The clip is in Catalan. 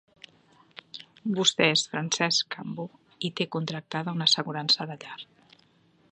Vostè és Francesc Cambó i té contractada una assegurança de llar.